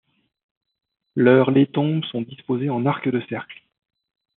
Leurs les tombes sont disposées en arc de cercle.